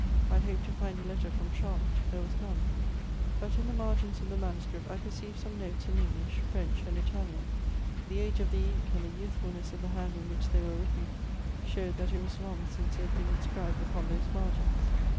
I had hoped to find a letter from Charlotte: there was none; but, in the margins of the manuscript, I perceived some notes in English, French, and Italian: the age of the ink and the youthfulness of the hand in which they were written showed that it was long since they had been inscribed upon those margins.